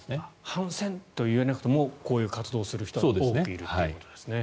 反戦と言わなくてもこういう活動をする人たちが多くいるということですね。